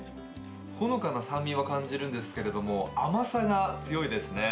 ほのかな酸味は感じるんですけど甘さが強いですね。